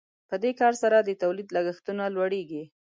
په دې کار سره د تولید لګښتونه لوړیږي.